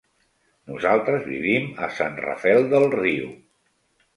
Nosaltres vivim a Sant Rafel del Riu.